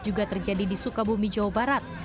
juga terjadi di sukabumi jawa barat